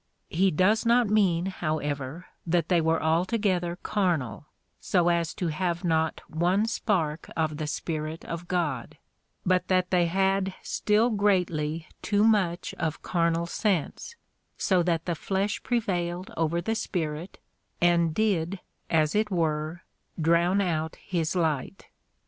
He does not mean, however, that they were altogether carnal, so as to have not one spark of the Spirit of God — but that they had still greatly too much of carnal sense, so that the flesh prevailed over the Spirit, and did as it were drown out his light.